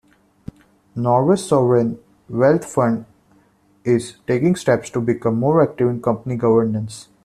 Norway's sovereign wealth fund is taking steps to become more active in company governance.